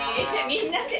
みんなで？